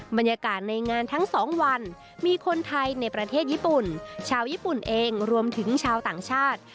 บรรยากาศในงานทั้งสองวันมีคนไทยในประเทศญี่ปุ่นชาวญี่ปุ่นเองรวมถึงชาวต่างชาติ